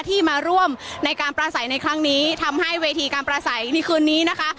ที่มาร่วมในการประสัยในครั้งนี้ทำให้เวทีการประสัยในคืนนี้นะคะ